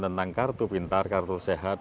tentang kartu pintar kartu sehat